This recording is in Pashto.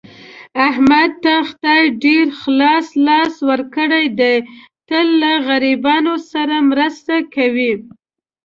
احمد ته خدای ډېر خلاص لاس ورکړی دی، تل له غریبانو سره مرسته کوي.